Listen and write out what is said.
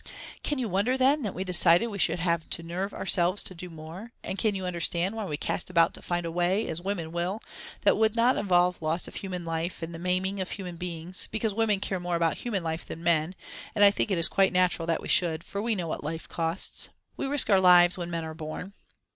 Can you wonder, then, that we decided we should have to nerve ourselves to do more, and can you understand why we cast about to find a way, as women will, that would not involve loss of human life and the maiming of human beings, because women care more about human life than men, and I think it is quite natural that we should, for we know what life costs. We risk our lives when men are born.